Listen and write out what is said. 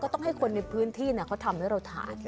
ต้องให้คนในพื้นที่เขาทำให้เราทาน